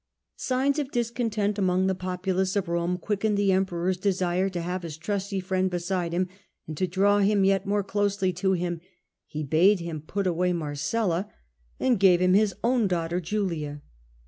Signs of discontent among the populace of Rome quickened the Emperor's desire to have his trusty friend beside him, and to draw him yet Marries more closely to him he bade him put away Julia. Marcella, and gave him his own daughter Julia.